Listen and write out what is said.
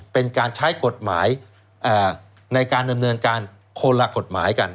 เป็นการใช้กฎหมายในการดำเนินการคนละกฎหมายกัน